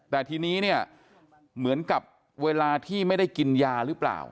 แต่ทีนี้เนี่ยเหมือนกับเวลาที่ไม่ได้กินยาหรือเปล่า